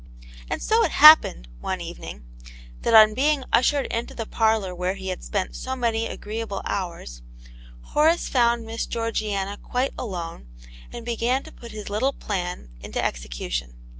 And so it happened, one evening, that on being ushered into the parlour where he had spent so many agreeable hours, Horace found Miss Geor giana quite alone, and began to put his little plan into execution.